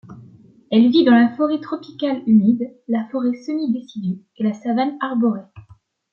Elle vit dans la forêt tropicale humide, la forêt semi-décidue et la savane arborée.